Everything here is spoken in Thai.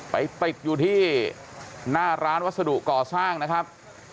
ไปติดอยู่ที่หน้าร้านวัสดุก่อสร้างนะครับ